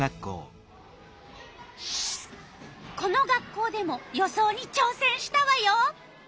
この学校でも予想にちょうせんしたわよ。